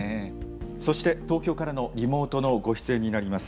そして東京からのリモートのご出演になります。